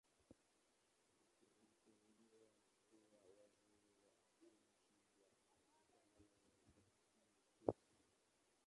Aliteuliwa kuwa Waziri wa Afya chini ya utawala wa Mokhehle.